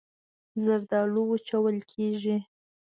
زردالو وچول کېږي.